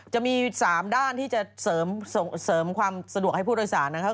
จะมี๓ด้านที่จะเสริมความสะดวกให้ผู้โดยสารนะครับ